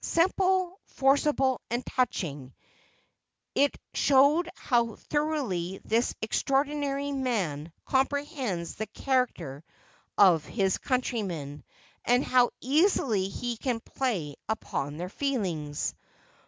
Simple, forcible and touching, it showed how thoroughly this extraordinary man comprehends the character of his countrymen, and how easily he can play upon their feelings.